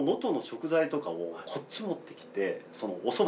とかをこっち持ってきて。